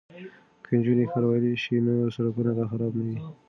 که نجونې ښاروالې شي نو سړکونه به خراب نه وي.